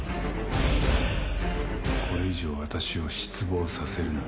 「これ以上私を失望させるな」